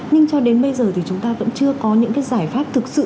nhưng cho đến bây giờ thì chúng ta vẫn chưa có những cái giải pháp thực sự